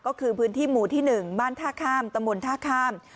ก็คือพื้นที่หมู่ที่๑บ้านท่าข้ามตำบลท่าข้าม